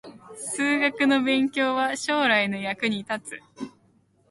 数学の勉強は将来の役に立つ